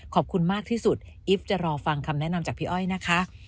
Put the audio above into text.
ขอบคุณมากที่สุดอีฟจะรอฟังคำแนะนำจากพี่อ้อยนะคะ